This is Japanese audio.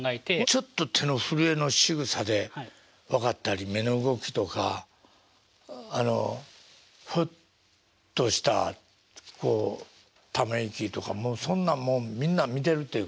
ちょっと手の震えのしぐさで分かったり目の動きとかあのふっとしたこうため息とかもそんなんもみんな見てるっていうことですね。